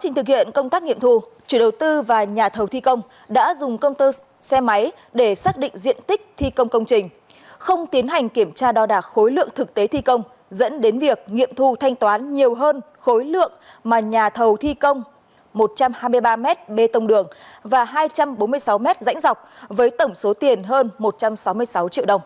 trên công tác nghiệm thu chủ đầu tư và nhà thầu thi công đã dùng công tơ xe máy để xác định diện tích thi công công trình không tiến hành kiểm tra đo đạt khối lượng thực tế thi công dẫn đến việc nghiệm thu thanh toán nhiều hơn khối lượng mà nhà thầu thi công một trăm hai mươi ba m bê tông đường và hai trăm bốn mươi sáu m rãnh dọc với tổng số tiền hơn một trăm sáu mươi sáu triệu đồng